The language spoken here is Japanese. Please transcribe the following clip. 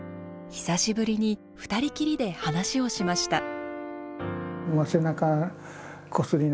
久しぶりに２人きりで話をしました。